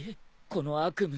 この悪夢